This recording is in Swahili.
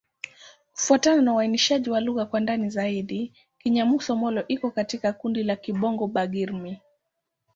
Kufuatana na uainishaji wa lugha kwa ndani zaidi, Kinyamusa-Molo iko katika kundi la Kibongo-Bagirmi.